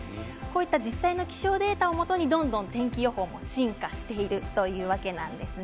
実際に気象データを基にどんどん天気予報が進化しているというわけなんです。